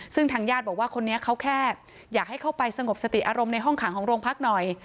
ซึ่งทางญาติบอกว่าคนนี้เขาแค่อยากให้เข้าไปสงบสติอารมณ์ในห้องขังของโรงพักหน่อย